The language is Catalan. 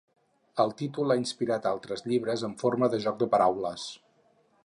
El títol ha inspirat altres llibres en forma de joc de paraules.